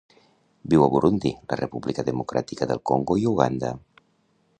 Viu a Burundi, la República Democràtica del Congo i Uganda.